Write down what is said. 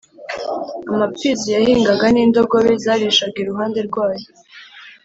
“amapfizi yahingaga n’indogobe zarishaga iruhande rwayo,